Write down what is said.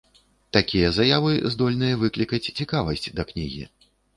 Такія заявы здольныя выклікаць цікавасць да кнігі.